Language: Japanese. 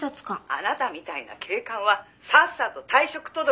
「あなたみたいな警官はさっさと退職届を書くべきね」